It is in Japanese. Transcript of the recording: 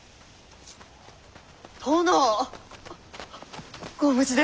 殿！ご無事で！